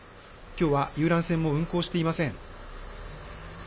きょうは遊覧船も運航していません。